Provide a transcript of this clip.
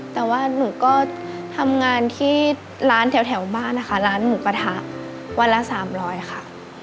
แต่ว่าหนูก็ทำงานที่ร้านแถวบ้านนะคะร้านหมูกระทะวันละ๓๐๐ค่ะ